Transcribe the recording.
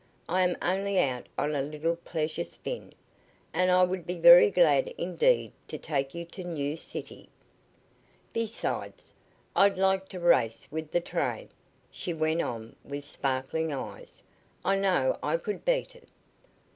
"I am only out on a little pleasure spin, and I would be very glad indeed to take you to New City. Besides, I'd like to race with the train," she went on with sparkling eyes. "I know I could beat it."